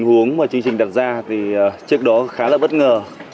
tình huống mà chương trình đặt ra thì trước đó khá là bất ngờ